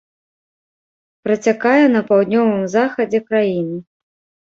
Працякае на паўднёвым захадзе краіны.